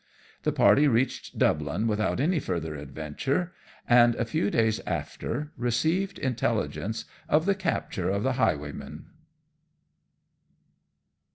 The party reached Dublin without any further adventure, and a few days after received intelligence of the capture of the Highwayman.